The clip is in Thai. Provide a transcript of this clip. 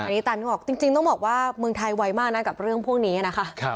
นี่ต่างจึงต้องบอกว่าเมืองไทยไวมากนะกับเรื่องพวกนี้นะฮะ